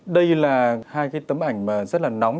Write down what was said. đây là hai tấm ảnh rất là nóng